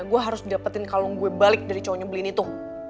gue harus dapetin kalung gue balik dari cowoknya belin itu